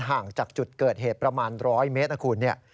ห่างจากจุดเกิดเหตุประมาณ๑๐๐เมตรนะคุณ